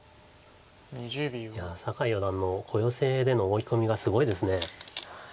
いや酒井四段の小ヨセでの追い込みがすごいです。